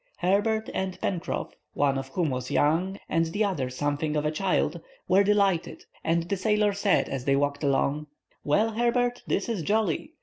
Herbert and Pencroff, one of whom was young and the other something of a child, were delighted, and the sailor said as they walked along:— "Well, Herbert, this is jolly!